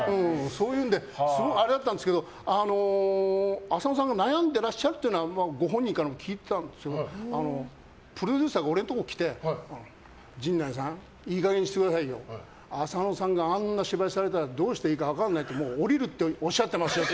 そういう意味ですごくあれだったんですけど浅野さんが悩んでらっしゃるというのはご本人からも聞いててプロデューサーが俺のところに来て、陣内さんいい加減にしてくださいよ浅野さんが、あんな芝居されたらどうしていいか分かんないもう降りるっておっしゃってますよって。